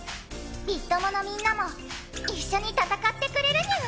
ビッ友のみんなも一緒に戦ってくれるニャン！